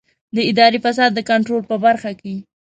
د اداري فساد د کنټرول په برخه کې.